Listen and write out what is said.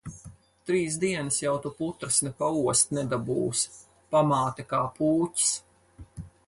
Trīs dienas jau tu putras ne paost nedabūsi. Pamāte kā pūķis.